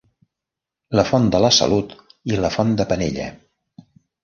La font de la Salut i la font de Penella.